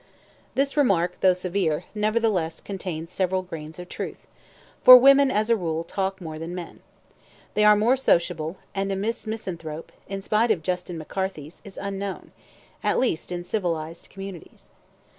This remark, though severe, nevertheless contains several grains of truth, for women, as a rule, talk more than men. They are more sociable, and a Miss Misanthrope, in spite of Justin McCarthy's, is unknown at least in civilised communities.